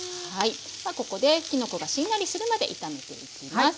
ここできのこがしんなりするまで炒めていきます。